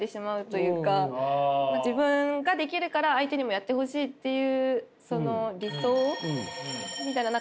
自分ができるから相手にもやってほしいっていうその理想みたいな。